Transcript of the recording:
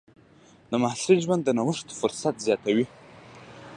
د محصل ژوند د نوښت فرصتونه زیاتوي.